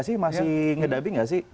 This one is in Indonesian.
tapi masih ngedubbing gak sih